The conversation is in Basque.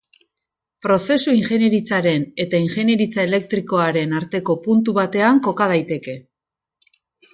Prozesu ingeniaritzaren eta ingeniaritza elektrikoaren arteko puntu batean koka daiteke.